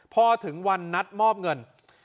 พอถึงวันนัดมอบเงิน